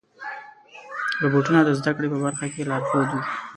روبوټونه د زدهکړې په برخه کې لارښود وي.